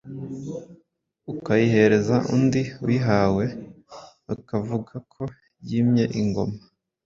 ukayihereza undi. Uyihawe bakavuga ko yimye ingoma